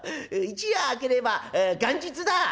『一夜明ければ元日だ！』」。